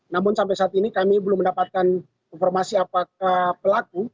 namun sampai saat ini kami belum mendapatkan informasi apakah pelaku